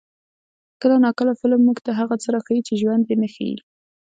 کله ناکله فلم موږ ته هغه څه راښيي چې ژوند یې نه ښيي.